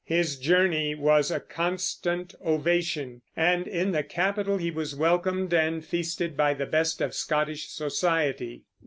His journey was a constant ovation, and in the capital he was welcomed and feasted by the best of Scottish society.